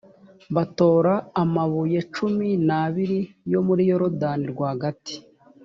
batora amabuye cumi n’abiri yo muri yorudani rwagati